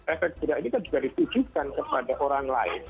efek jerah ini kan juga ditujukan kepada orang lain